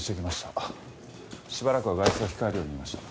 しばらくは外出を控えるように言いました。